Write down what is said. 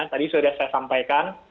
tadi sudah saya sampaikan